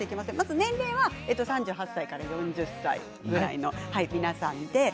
年齢は３８歳から４０歳の皆さんです。